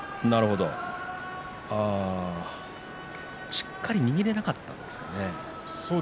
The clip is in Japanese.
しっかりと握れなかったんですかね。